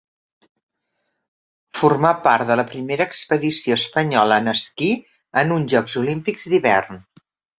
Formà part de la primera expedició espanyola en esquí en uns Jocs Olímpics d'Hivern.